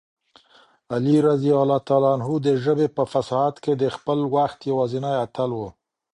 علي رض د ژبې په فصاحت کې د خپل وخت یوازینی اتل و.